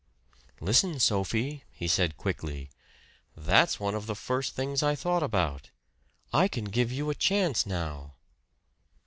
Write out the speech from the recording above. "Listen, Sophie," he said quickly. "That's one of the first things I thought about I can give you a chance now."